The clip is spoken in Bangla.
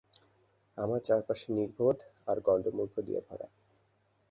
আমার চারপাশে নির্বোধ আর গন্ড মূর্খ দিয়ে ভরা।